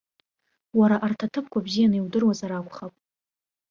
Уара арҭ аҭыԥқәа бзианы иудыруазар акәхап?